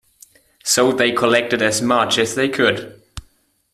So they collected as much as they could.